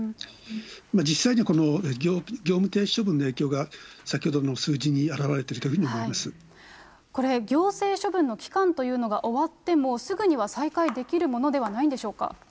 実際にはこの業務停止処分の影響が先ほどの数字に表れているといこれ、行政処分の期間というのが終わっても、すぐには再開できるものではないんでしょうか。